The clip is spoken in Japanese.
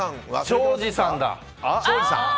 庄司さんだ。